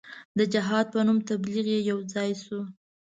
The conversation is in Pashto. د جهاد په نوم تبلیغ کې یو ځای سو.